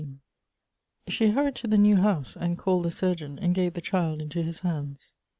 SHE hurried to the new house, and called the surgeon and gave the child into his hands.